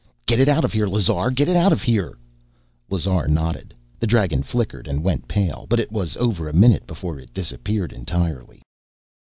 "Get it out of here, Lazar! Get it out of here!" Lazar nodded. The dragon flickered and went pale, but it was over a minute before it disappeared entirely.